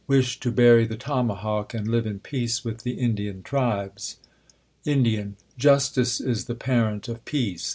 ^j^ ^^^^^^^^,^^^^^^^^ ahawk, anJ live in peace with the Indian tribes. Indian. Justice is the parent of peace.